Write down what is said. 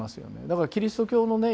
だからキリスト教のね